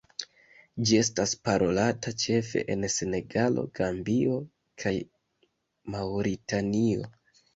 Ĝi estas parolata ĉefe en Senegalo, Gambio kaj Maŭritanio.